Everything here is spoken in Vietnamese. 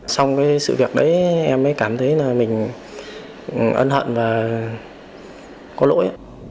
xong cái sự việc đấy em mới cảm thấy là mình ân hận và có lỗi